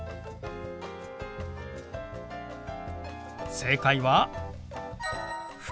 正解は。